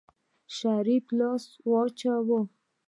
شريف لاس واچوه.